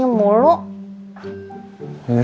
ya udah deh